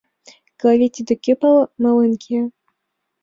Клави, тиде кӧ мален кия?